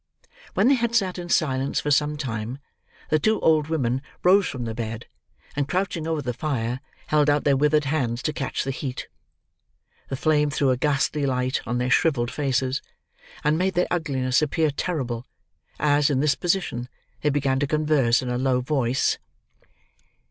When they had sat in silence for some time, the two old women rose from the bed, and crouching over the fire, held out their withered hands to catch the heat. The flame threw a ghastly light on their shrivelled faces, and made their ugliness appear terrible, as, in this position, they began to converse in a low voice.